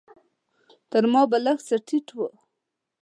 تر ما به لږ څه ټيټ و.